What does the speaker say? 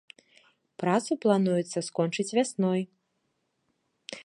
Працу плануецца скончыць вясной.